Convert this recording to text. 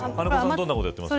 どんなことしてますか。